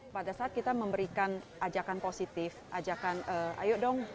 pada saat kita memberikan ajakan positif ajakan ayo dong